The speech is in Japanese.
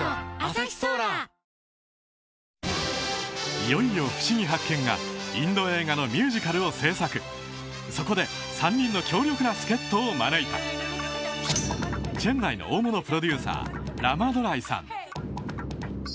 いよいよ「ふしぎ発見！」がインド映画のミュージカルを制作そこで３人の強力な助っ人を招いたチェンナイの大物プロデューサーラマドライさん